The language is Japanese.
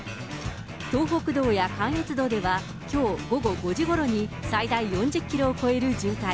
東北道や関越道では、きょう午後５時ごろに最大４０キロを超える渋滞。